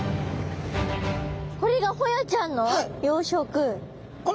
これがホヤちゃんの養殖。